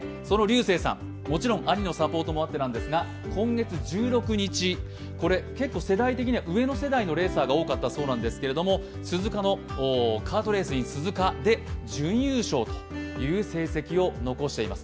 もちろん兄のサポートもあってなんですが、結構世代的には上の世代のレーサーが多かったそうなんですけれども鈴鹿のカートレースで準優勝という成績を残しています。